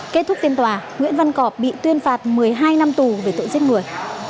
kết thúc phiên tòa nguyễn văn cọp bị tuyên phạt một mươi hai năm tù về tội giết người